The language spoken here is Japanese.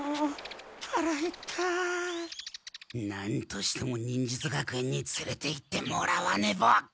なんとしても忍術学園につれていってもらわねば。